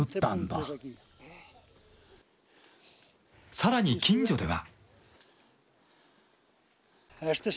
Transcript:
さらに近所では。